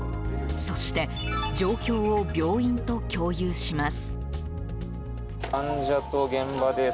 そして、状況を病院と共有します。